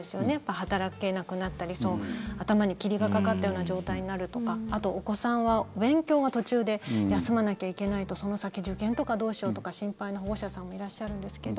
働けなくなったり頭に霧がかかったような状態になるとかあと、お子さんは勉強が途中で休まなきゃいけないとその先、受験とかどうしようとか心配な保護者さんもいらっしゃるんですけど